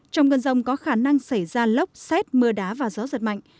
trong cơn rông có khả năng xảy ra lốc xét mưa đá và gió giật mạnh